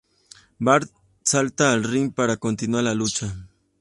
Bart salta al ring para continuar la lucha.